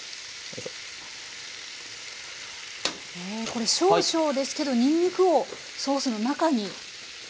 これ少々ですけどにんにんくをソースの中に。